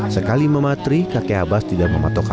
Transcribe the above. sekali mematri kakek abas tidak memotong harga